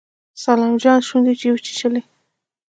سلام جان شونډې وچيچلې.